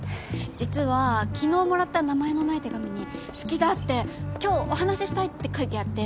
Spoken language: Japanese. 実は昨日もらった名前のない手紙に好きだって今日お話したいって書いてあって。